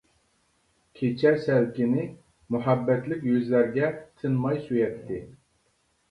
كېچە سەلكىنى مۇھەببەتلىك يۈزلەرگە تىنماي سۆيەتتى.